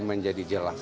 akan menjadi jelas